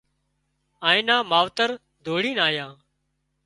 اين نا ماوتر ڌوڙينَ آيان